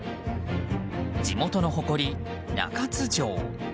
地元の誇り、中津城。